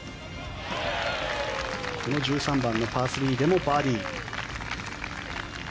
この１３番のパー３でもバーディー。